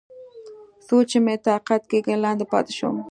څو چې مې طاقت کېده، لاندې پاتې شوم.